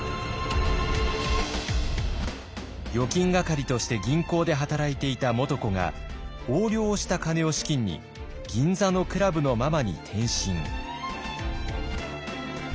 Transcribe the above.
預金係として銀行で働いていた元子が横領をした金を資金に銀座のクラブのママに転身。